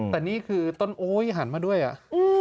แต่นี่คือต้นโอ๊ยหันมาด้วยอ่ะ